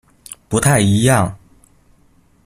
不太一樣